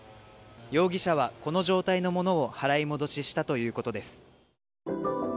容疑者はこの状態のものを払い戻ししたということです。